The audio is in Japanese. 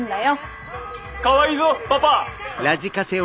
かわいいぞパパ！